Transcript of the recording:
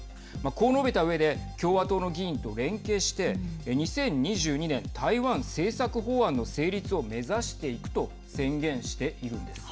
こう述べたうえで共和党の議員と連携して２０２２年、台湾政策法案の成立を目指していくと宣言しているんです。